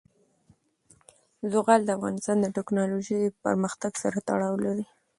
زغال د افغانستان د تکنالوژۍ پرمختګ سره تړاو لري.